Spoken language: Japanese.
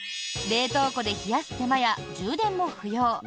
冷凍庫で冷やす手間や充電も不要。